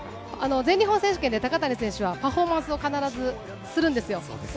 全日本選手権で高谷選手はパフォーマンスを必ずするんですよ。